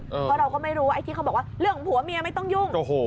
เพราะเราก็ไม่รู้ไอ้ที่เขาบอกว่าเรื่องของผัวเมียไม่ต้องยุ่ง